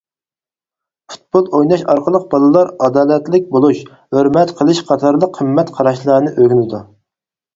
پۇتبول ئويناش ئارقىلىق بالىلار ئادالەتلىك بولۇش، ھۆرمەت قىلىش قاتارلىق قىممەت قاراشلارنى ئۆگىنىدۇ.